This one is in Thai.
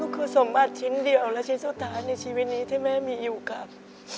คือสมบัติชิ้นเดียวและชิ้นสุดท้ายในชีวิตนี้ที่แม่มีอยู่กับ